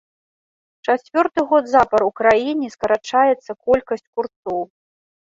Чацвёрты год запар у краіне скарачаецца колькасць курцоў.